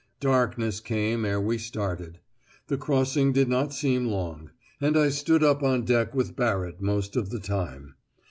Darkness came ere we started. The crossing did not seem long, and I stood up on deck with Barrett most of the time.